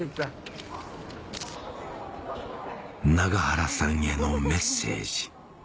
永原さんへのメッセージ